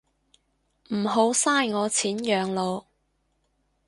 唔好嘥我錢養老